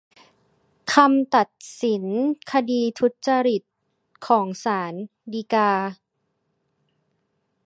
คำตัดสินคดีทุจริตของของศาลฎีกา